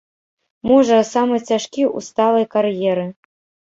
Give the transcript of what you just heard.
Можа, самы цяжкі ў сталай кар'еры.